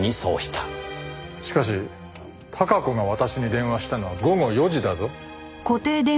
しかし孝子が私に電話したのは午後４時だぞ。